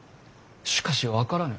しかし分からぬ。